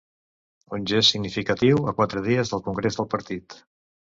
Un gest significatiu, a quatre dies del congrés del partit.